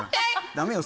ダメよ